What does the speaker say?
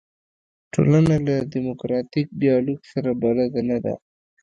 ټولنه له دیموکراتیک ډیالوګ سره بلده نه ده.